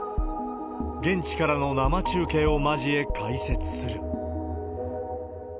現地からの生中継を交え解説する。